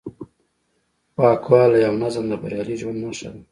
پاکوالی او نظم د بریالي ژوند نښه ده.